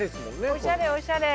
おしゃれおしゃれ！